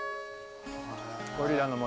ゴリラの森。